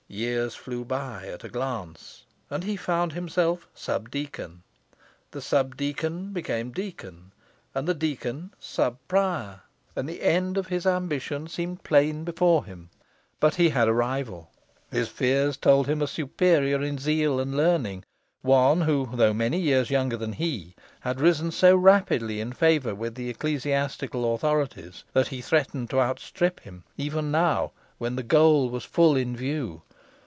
Years flew by at a glance, and he found himself sub deacon; the sub deacon became deacon; and the deacon, sub prior, and the end of his ambition seemed plain before him. But he had a rival; his fears told him a superior in zeal and learning: one who, though many years younger than he, had risen so rapidly in favour with the ecclesiastical authorities, that he threatened to outstrip him, even now, when the goal was full in view.